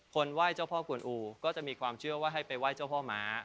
ไหว้เจ้าพ่อกวนอูก็จะมีความเชื่อว่าให้ไปไหว้เจ้าพ่อม้า